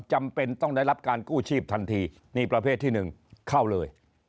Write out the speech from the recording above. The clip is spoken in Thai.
จำเป็นต้องได้รับการกู้ชีพทันทีนี่ประเภทที่หนึ่งเข้าเลย